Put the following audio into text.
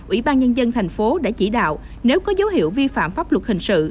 ubnd tp hcm đã chỉ đạo nếu có dấu hiệu vi phạm pháp luật hình sự